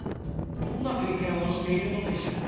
どんな経験をしているのでしょう？